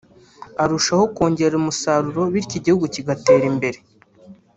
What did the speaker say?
arushaho kongera umusaruro bityo igihugu kigatera imbere